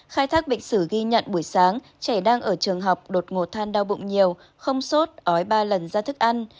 khai thác bệnh sử ghi nhận buổi sáng trẻ đang ở trường học đột ngột than đau bụng nhiều không sốt ói ba lần ra thức ăn